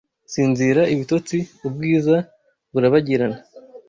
Sinzira, ibitotsi, ubwiza burabagirana